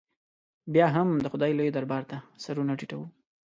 بیا هم د خدای لوی دربار ته سرونه ټیټو.